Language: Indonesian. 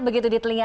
begitu di telinga